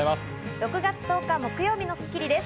６月１０日、木曜日の『スッキリ』です。